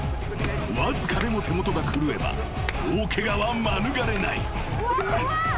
［わずかでも手元が狂えば大ケガは免れない］